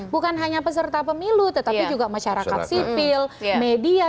bukan hanya peserta pemilu tetapi juga masyarakat sipil media